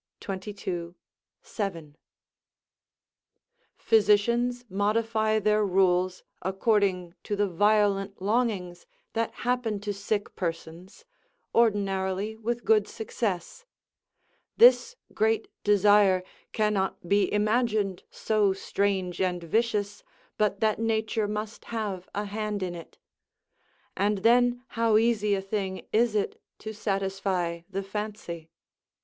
22, 7.] Physicians modify their rules according to the violent longings that happen to sick persons, ordinarily with good success; this great desire cannot be imagined so strange and vicious, but that nature must have a hand in it. And then how easy a thing is it to satisfy the fancy?